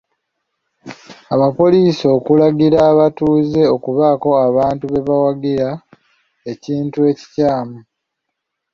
Abapoliisi okulagira abatuuze okubaako abantu be bawagira, ekintu ekikyamu.